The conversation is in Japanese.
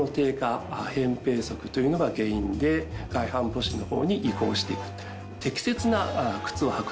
扁平足というのが原因で外反母趾の方に移行していく。